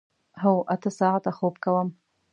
هو، اته ساعته خوب کوم